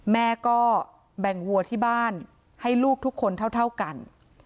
แม่ก็แบ่งวัวที่บ้านให้ลูกทุกคนเท่ากัน